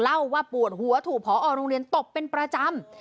เล่าว่าปวดหัวถูกพอโรงเรียนตบเป็นประจำ